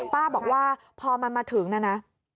ป้าบอกว่าพอมันมาถึงนะนะ